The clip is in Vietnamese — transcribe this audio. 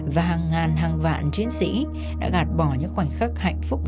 và hàng ngàn hàng vạn chiến sĩ đã gạt bỏ những khoảnh khắc hạnh phúc